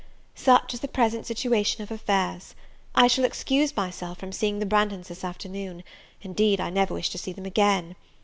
Such is the present situation of affairs. I shall excuse myself from seeing the Branghtons this afternoon: indeed, I never wish to see them again.